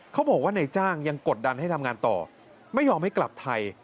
เขาบอกว่านายจ้างยังกดดันให้ทำงานต่อไม่ยอมให้กลับไทย